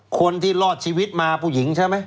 คนที่รอดชีวิตมาผู้หญิงใช่ไหม